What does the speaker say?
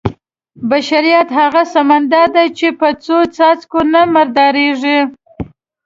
بشریت هغه سمندر دی چې په څو څاڅکو نه مردارېږي.